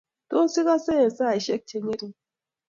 Tos, igasa eng saishek chengering?